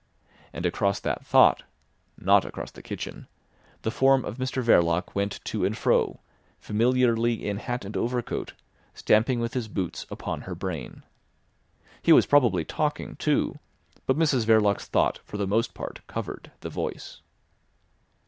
And across that thought (not across the kitchen) the form of Mr Verloc went to and fro, familiarly in hat and overcoat, stamping with his boots upon her brain. He was probably talking too; but Mrs Verloc's thought for the most part covered the voice.